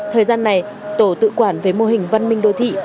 thời gian này tổ tự quản về mô hình văn minh đô thị